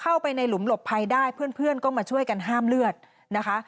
เข้าไปในหลุมหลบภัยได้เพื่อนก็มาช่วยกันห้ามเลือดนะคะ